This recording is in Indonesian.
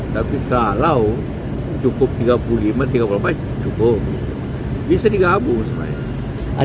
tapi kalau cukup tiga puluh lima tiga puluh empat cukup bisa digabung semuanya